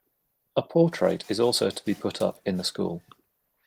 A portrait is also to be put up in the school.